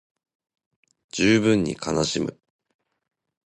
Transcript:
十分に悲しむ